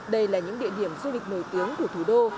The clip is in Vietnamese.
đây là những địa điểm du lịch nổi tiếng của thủ đô